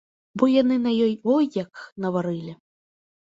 Бо яны на ёй ой як наварылі.